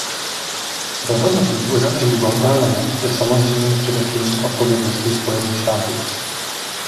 Rozhodnutí uzavřít Guantánamo je, samozřejmě, především odpovědností Spojených států.